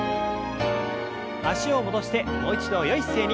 脚を戻してもう一度よい姿勢に。